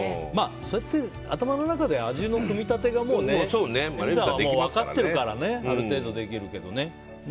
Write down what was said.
そうやって、頭の中で味の組み立てが、もうレミさんは分かってるからある程度できるけどね。